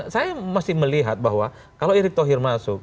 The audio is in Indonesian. saya masih melihat bahwa kalau erick thohir masuk